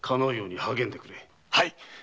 はい。